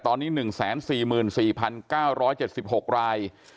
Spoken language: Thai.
ตอนนี้๑๔๔๙๗๖ราย